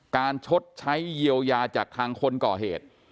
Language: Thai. ชดใช้เยียวยาจากทางคนก่อเหตุ